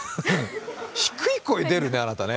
低い声出るね、あなたね。